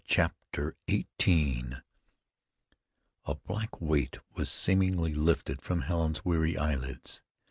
CHAPTER XVIII A black weight was seemingly lifted from Helen's weary eyelids.